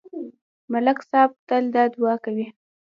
ملک صاحب تل دا دعا کوي